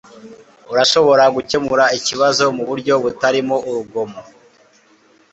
Urashobora gukemura ikibazo muburyo butarimo urugomo.